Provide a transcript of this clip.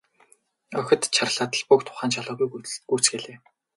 Охид чарлаад л бүгд ухаан жолоогүй гүйцгээлээ.